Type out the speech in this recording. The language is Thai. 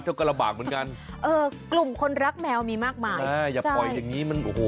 ก็ลำบากเหมือนกันเออกลุ่มคนรักแมวมีมากมายอ่าอย่าปล่อยอย่างงี้มันโอ้โห